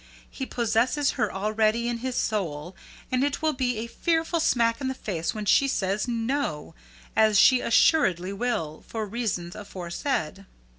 He possesses her already in his soul, and it will be a fearful smack in the face when she says 'No,' as she assuredly will do, for reasons aforesaid.